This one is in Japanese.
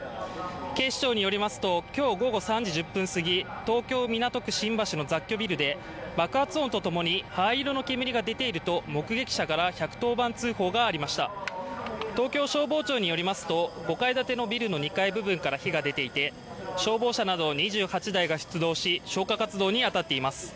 警視庁によりますと、今日午後３時１０分過ぎ、東京・港区新橋の雑居ビルで爆発音とともに灰色の煙が出ていると目撃者から１１０番通報がありました東京消防庁によりますと５階建てのビルの２階部分から火が出ていて、消防車など２８台が出動し消火活動に当たっています。